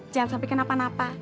jangan sampai kenapa napa